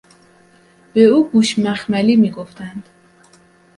به او گوش مخملی میگفتند